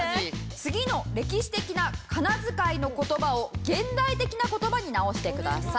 次の歴史的なかなづかいの言葉を現代的な言葉に直してください。